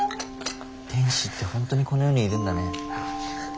天使って本当にこの世にいるんだね。